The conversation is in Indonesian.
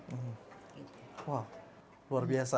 wah luar biasa